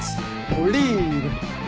オリーブ！